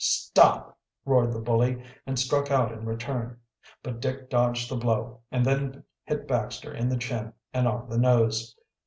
"Stop!" roared the bully, and struck out in return. But Dick dodged the blow, and then hit Baxter in the chin and on the nose.